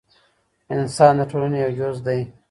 انسان د ټولني یو جز دی.